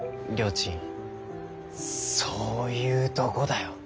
ちんそういうとごだよ！